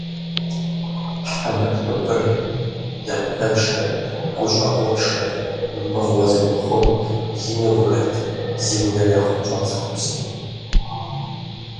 Хьэбыршыбыр, напэншэ, гущӏэгъуншэ, мыгъуэ зыхуэхъун! - ину бгэт зи унэр яхъунщӏа цӏыхубзыр.